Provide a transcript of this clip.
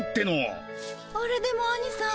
あれでもアニさん